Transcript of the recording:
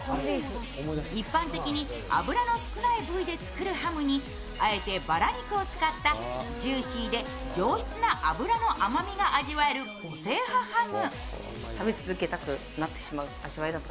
一般的に油の少ない部位で作るハムにあえてバラ肉を使ったジューシーで上質な脂の甘みが楽しめる個性派ハム。